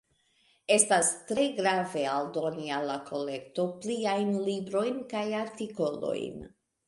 Estas tre grave aldoni al la kolekto pliajn librojn kaj artikolojn.